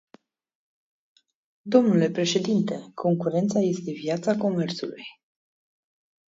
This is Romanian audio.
Domnule președinte, concurența este viața comerțului.